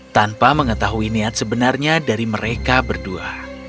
tanpa mengetahui niat sebenarnya dari mereka berdua